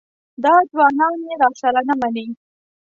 دا ځوانان یې راسره نه مني.